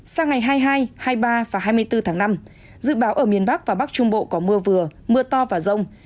sang ngày hai mươi hai hai mươi ba và hai mươi bốn tháng năm dự báo ở miền bắc và bắc trung bộ có mưa vừa mưa to và rông